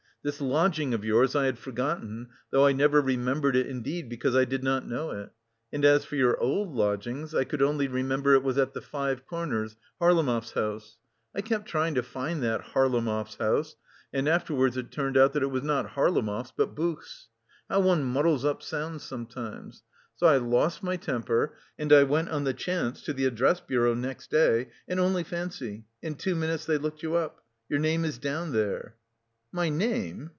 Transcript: This lodging of yours I had forgotten, though I never remembered it, indeed, because I did not know it; and as for your old lodgings, I could only remember it was at the Five Corners, Harlamov's house. I kept trying to find that Harlamov's house, and afterwards it turned out that it was not Harlamov's, but Buch's. How one muddles up sound sometimes! So I lost my temper, and I went on the chance to the address bureau next day, and only fancy, in two minutes they looked you up! Your name is down there." "My name!"